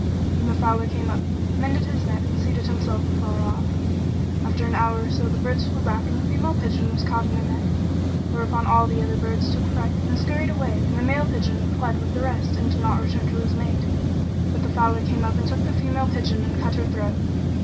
Then the fowler came up, mended his net and seated himself afar off. After an hour or so the birds flew back and the female pigeon was caught in the net; whereupon all the other birds took fright and scurried away; and the male pigeon fled with the rest and did not return to his mate, but the fowler came up and took the female pigeon and cut her throat.